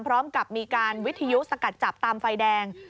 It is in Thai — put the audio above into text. พร้อมกับมีการวิทยุสกัดจับตามไฟแดง